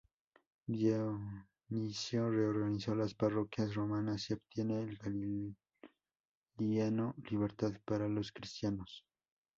Dionisio reorganizó las parroquias romanas y obtiene de Galieno libertad para los cristianos.